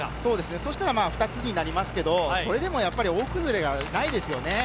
そしたら２つになりますけれど、それでも大崩れがないですよね。